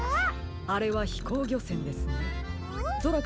あれはひこうぎょせんですね。